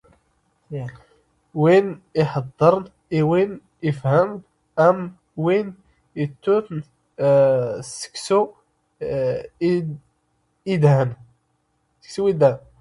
ⵡⵉⵏ ⵉⵀⴷⴷⵔⵏ ⵉ ⵡⵉⵏ ⵉⴼⵀⵎⵏ ⴰⵎ ⵡⵉⵏ ⵉⵜⴻⵜⵜⵏ ⵙⴽⵙⵓ ⵉⴷⵀⵏⵏ